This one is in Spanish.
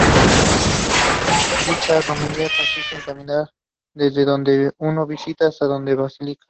Dicha romería consiste en caminar desde donde uno viva, hasta la Basílica.